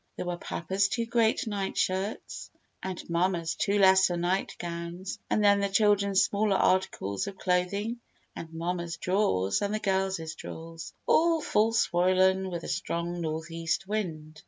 There were papa's two great night shirts and mamma's two lesser night gowns and then the children's smaller articles of clothing and mamma's drawers and the girls' drawers, all full swollen with a strong north east wind.